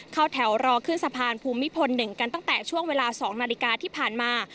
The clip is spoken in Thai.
เข้าแถวรอขึ้นสะพานภูมิพล๑กันตั้งแต่ช่วงเวลา๒นาฬิกาที่ผ่านมา